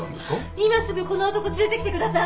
今すぐこの男連れてきてください！